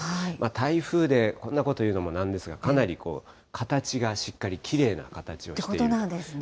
台風でこんなこと言うのもなんですが、かなり形がしっかり、そういうことなんですね。